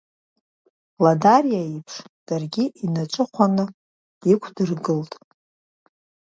Ладариа иеиԥш даргьы инаҿыхәаны иқәдыргылт.